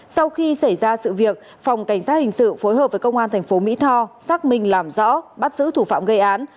sau khi xảy ra sự việc phòng cảnh sát hình sự phối hợp với công an thành phố mỹ tho xác minh làm rõ bắt giữ thủ phạm gây án